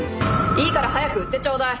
いいから早く売ってちょうだい。